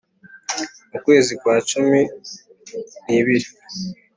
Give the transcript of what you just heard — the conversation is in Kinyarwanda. Mu kwezi kwa cumi n abiri